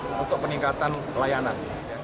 kemampuan peringatan layanan